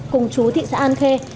cùng chú thị xã an khê